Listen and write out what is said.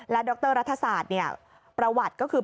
ดรรัฐศาสตร์เนี่ยประวัติก็คือ